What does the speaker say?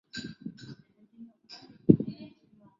短茎隔距兰为兰科隔距兰属下的一个种。